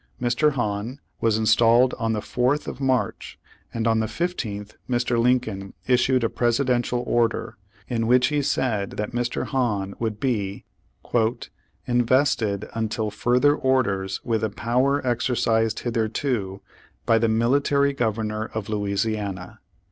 Mr. Hahn was installed on the 4th of March, and on the 15th Mr. Lincoln issued a Presidential order, in Vv'hich he said that Mr. Hahn would be "in vested until further orders with the power exer cised hitherto by the military governor of Louisiana."